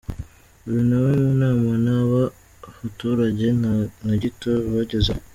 Uyu na we mu nama n’aba baturage nta na gito bagezeho.